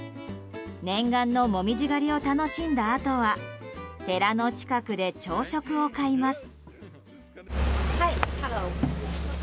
念願の紅葉狩りを楽しんだあとは寺の近くで朝食を買います。